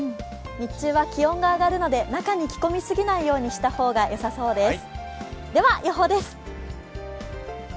日中は気温が上がるので中に着込みすぎないようにした方が良さそうです。